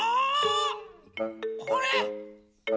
これ。